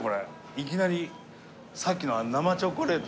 いきなりさっきの生チョコレート。